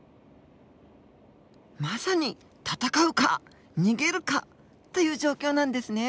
まさに戦うか逃げるかという状況なんですね。